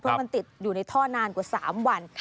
เพราะมันติดอยู่ในท่อนานกว่า๓วัน